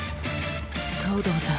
東堂さん。